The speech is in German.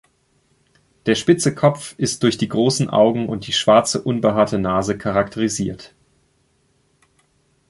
Der spitze Kopf ist durch die großen Augen und die schwarze, unbehaarte Nase charakterisiert.